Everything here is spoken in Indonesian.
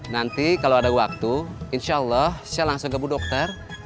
nanti kalau ada waktu insya allah saya langsung gabung dokter